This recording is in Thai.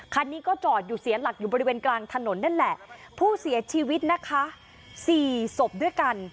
คันนี้ก็จอดอยู่เสียหลักอยู่บริเวณกลางถนนนั่นแหละผู้เสียชีวิตนะคะสี่ศพด้วยกัน